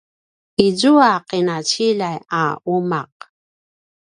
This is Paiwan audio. izua qinaciljay a umaq